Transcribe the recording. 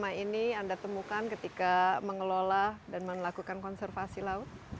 apa ini anda temukan ketika mengelola dan melakukan konservasi laut